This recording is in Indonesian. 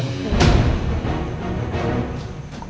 nggak ada bidan